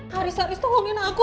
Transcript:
haris haris tolongin aku